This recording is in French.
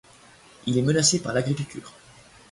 Il est menacé par l'agriculture.